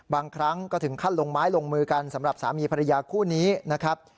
บางครั้งก็ถึงขั้นลงไม้ลงมือกันสำหรับสามีภรรยาคู่นี้นะครับ